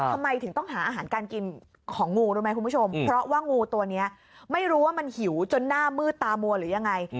ทำไมถึงต้องหาอาหารการกินของงูรู้ไหมคุณผู้ชมเพราะว่างูตัวนี้ไม่รู้ว่ามันหิวจนหน้ามืดตามัวหรือยังไง